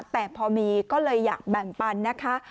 แต่พอมีก็เลยอยากแบ่งปันนะคะ